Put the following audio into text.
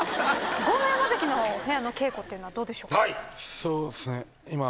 豪ノ山関の部屋の稽古っていうのはどうでしょうか？